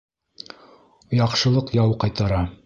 Яҡшылыҡ яу ҡайтара.